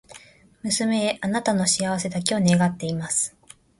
娘へ、貴女の幸せだけを祈っています。